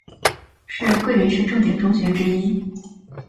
是桂林市重点中学之一。